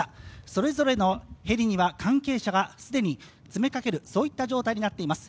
それぞれのヘリには関係者が既に詰めかける、そういった状態になっています。